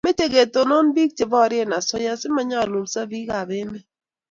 mache ketonon piik che porie asoya si manyalilso piik ab emet